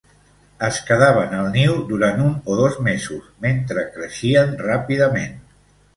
Es quedaven al niu durant un o dos mesos, mentre creixien ràpidament.